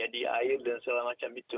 di air dan segala macam itu